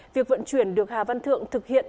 việc vận chuyển được hà văn thượng thực hiện